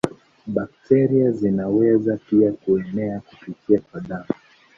Bakteria zinaweza pia kuenea kupitia kwa damu.